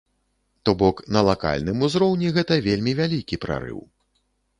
То бок, на лакальным узроўні гэта вельмі вялікі прарыў.